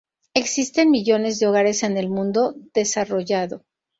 Existen millones de hogares en el mundo desarrollado.